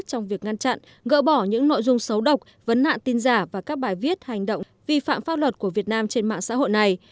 trong việc ngăn chặn gỡ bỏ những nội dung xấu độc vấn nạn tin giả và các bài viết hành động vi phạm pháp luật của việt nam trên mạng xã hội này